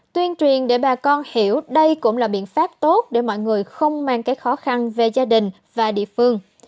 tuyên truyền để bà con hiểu đây cũng là biện pháp tốt để mọi người không mang cái khó khăn về gia đình và địa phương